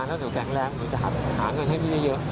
ถ้าหนูแกร่งแรงหนูจะหาเงินให้มีเยอะ